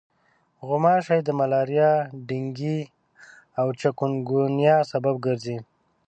غوماشې د ملاریا، ډنګي او چکنګونیا سبب ګرځي.